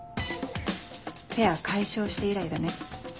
ペア解消して以来だね。